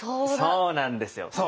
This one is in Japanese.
そうなんですよ。